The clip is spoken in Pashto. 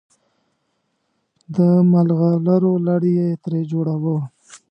د ملغلرو لړ یې ترې جوړاوه.